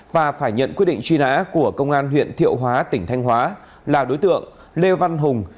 và phải nhận quyết định truy nã của công an huyện thiệu hóa tỉnh thanh hóa là đối tượng lê văn hùng